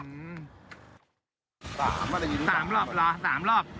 ๓รอบเหรอ๓รอบ